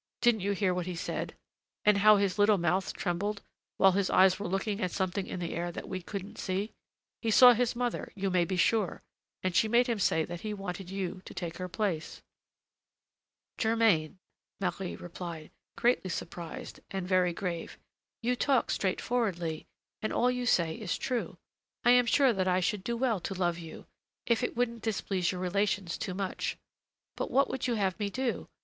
Didn't you hear what he said? and how his little mouth trembled while his eyes were looking at something in the air that we couldn't see! He saw his mother, you may be sure, and she made him say that he wanted you to take her place." "Germain," Marie replied, greatly surprised and very grave, "you talk straightforwardly, and all you say is true. I am sure that I should do well to love you, if it wouldn't displease your relations too much; but what would you have me do?